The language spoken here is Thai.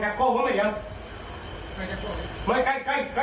แล้วก็ก่อเหตุถือค้อนไปที่กุฏิของรองเจ้าอาวาส